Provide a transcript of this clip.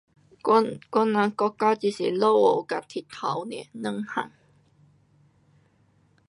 我，我人国家只是下雨跟太阳 nia 两样。